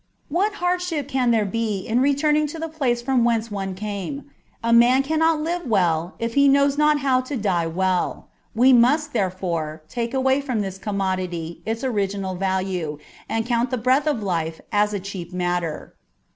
" What hardship can there be in returning to the place from whence one came ? a man cannot live well if he knows not how to die well. We must, therefore, take away from this commodity its original value, and count the breath of life as a cheap matter.